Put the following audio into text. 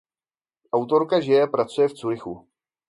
Autorka žije a pracuje v Curychu.